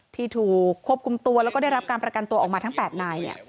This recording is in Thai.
ที่ถูกควบคุมตัวแล้วก็ได้รับการประกันตัวออกมาทั้ง๘นาย